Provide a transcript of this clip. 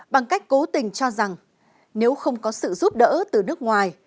bằng cách cố tình cho rằng nếu không có sự giúp đỡ từ nước ngoài